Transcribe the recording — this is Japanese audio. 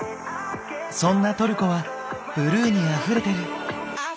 そんなトルコはブルーにあふれてる！